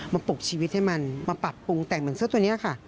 ปลุกชีวิตให้มันมาปรับปรุงแต่งเหมือนเสื้อตัวนี้ค่ะ